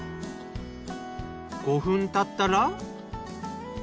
５分たったら。